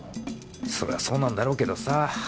そりゃそうなんだろうけどさ